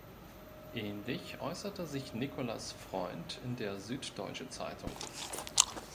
Ähnlich äußerte sich Nicolas Freund in der "Süddeutsche Zeitung".